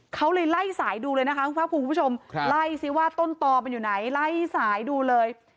เขาเลยไล่สายดูเลยนะคะคุณภาคภูมิคุณผู้ชมไล่สิว่าต้นตอมันอยู่ไหนไล่สายดูเลย